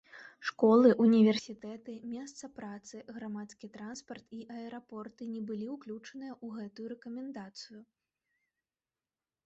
Школы, універсітэты, месца працы, грамадскі транспарт і аэрапорты не былі ўключаныя ў гэтую рэкамендацыю.